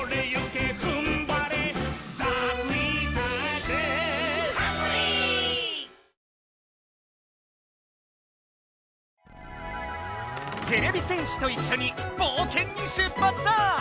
てれび戦士といっしょにぼうけんに出発だ！